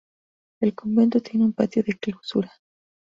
El convento tiene un patio de clausura.